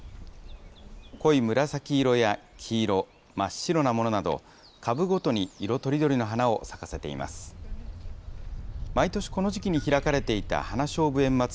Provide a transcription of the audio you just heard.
濃い紫色や黄色、真っ白なものなど、株ごとに色とりどりの花を咲かせています。